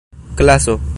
klaso